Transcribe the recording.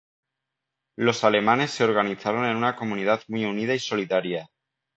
Los alemanes se organizaron en una comunidad muy unida y solidaria.